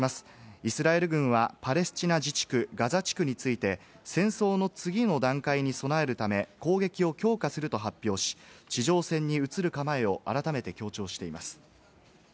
イスラエル軍はパレスチナ自治区ガザ地区について、戦争の次の段階に備えるため、攻撃を強化すると発表し、地上戦に移る構えを改めて強調しています。